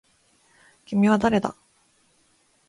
君は誰だ